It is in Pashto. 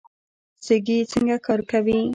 سږي څنګه کار کوي؟